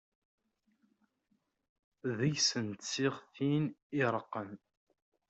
Ddegs n tsiɣtin iy iṛeqqen.